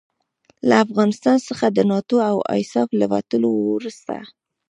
له افغانستان څخه د ناټو او ایساف له وتلو وروسته.